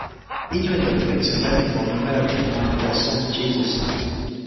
Each window depicts an event involving Mary in the life of her son, Jesus.